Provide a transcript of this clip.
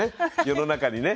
世の中にね。